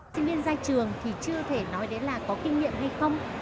sinh viên ra trường thì chưa thể nói đấy là có kinh nghiệm hay không